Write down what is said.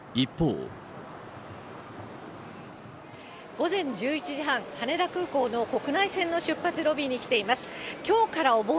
午前１１時半、羽田空港の国内線の出発ロビーに来ています。